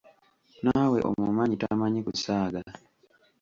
Naawe omumanyi tamanyi kusaaga!